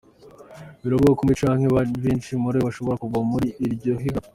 Biravurwa ko umwe canke benshi muri bo bashobora kuva muri iryo higanwa.